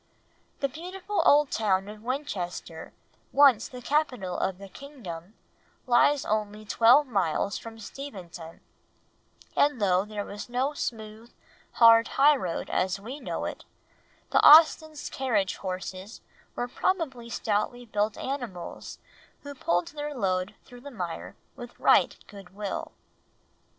The beautiful old town of Winchester, once the capital of the kingdom, lies only twelve miles from Steventon, and though there was no smooth, hard high road as we know it, the Austens' carriage horses were probably stoutly built animals who pulled their load through the mire with right goodwill.